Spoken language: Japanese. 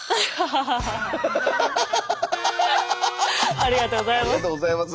ありがとうございます。